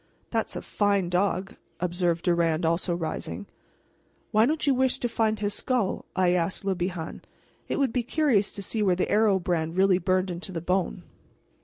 "That's a fine dog," observed Durand, also rising. "Why don't you wish to find his skull?" I asked Le Bihan. "It would be curious to see whether the arrow brand really burned into the bone."